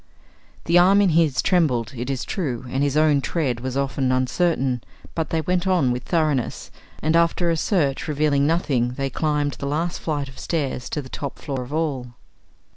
The arm in his trembled, it is true, and his own tread was often uncertain, but they went on with thoroughness, and after a search revealing nothing they climbed the last flight of stairs to the top floor of all.